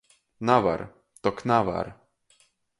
Navar, tok navar.